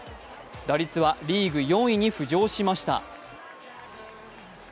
打率はリーグ４位に浮上しました。